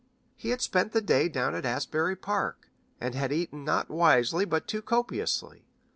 He had spent the day down at Asbury Park, and had eaten not wisely but too copiously.